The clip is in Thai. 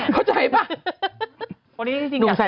ไม่ได้ล่ะคุณแม่